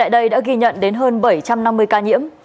đến hơn bảy trăm năm mươi ca nhiễm